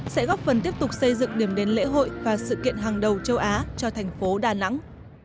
sẽ góp phần tiếp tục xây dựng điểm đến lễ hội và sự kiện hàng đầu châu á cho thành phố đà nẵng